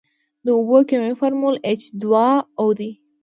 د اوبو کیمیاوي فارمول ایچ دوه او دی.